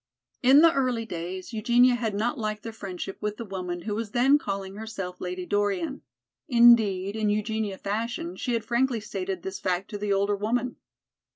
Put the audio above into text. In the early days Eugenia had not liked their friendship with the woman who was then calling herself Lady Dorian. Indeed, in Eugenia fashion she had frankly stated this fact to the older woman.